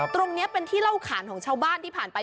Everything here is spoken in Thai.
ตรงนี้เป็นที่เล่าขานของชาวบ้านที่ผ่านไป